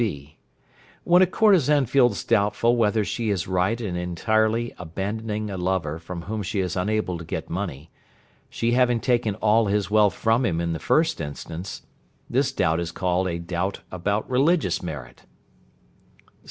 (b). When a courtesan feels doubtful whether she is right in entirely abandoning a lover from whom she is unable to get money, she having taken all his wealth from him in the first instance, this doubt is called a doubt about religious merit.